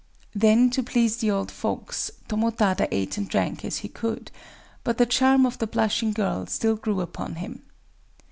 Then, to please the old folks, Tomotada ate and drank as he could; but the charm of the blushing girl still grew upon him.